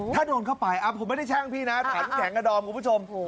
ถ้าโดนเข้าไปผมไม่ได้แช่งพี่นะถามแข็งกับดอมคุณผู้ชม